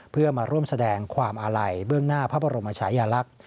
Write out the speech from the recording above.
เพื่อมาร่วมแสดงความอาลัยเบื้องหน้าพระบรมชายาลักษณ์